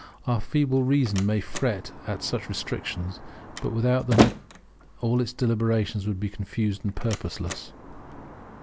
Our feeble reason may fret at such restrictions, but without them all its deliberations would be confused and purposeless.